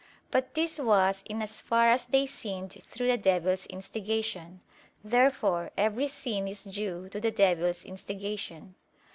But this was in as far as they sinned through the devil's instigation. Therefore every sin is due to the devil's instigation.